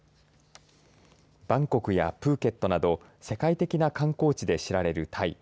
バンコクやプーケットなど世界的な観光地で知られるタイ。